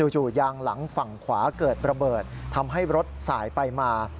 ยางหลังฝั่งขวาเกิดระเบิดทำให้รถสายไปมา